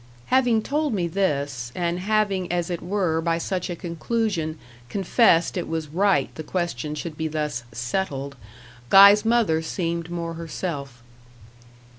Having told me this, and having as it were by such a conclusion confessed it was right the question should be thus "settled," Guy's mother seemed more herself.